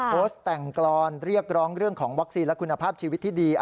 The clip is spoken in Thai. โพสต์แต่งกรอนเรียกร้องเรื่องของวัคซีนและคุณภาพชีวิตที่ดี